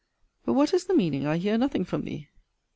But what is the meaning I hear nothing from thee?